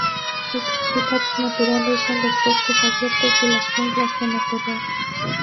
Sus hábitat naturales son los bosques abiertos y las junglas de matorral.